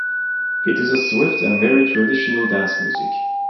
It is a swift and very traditional dance music.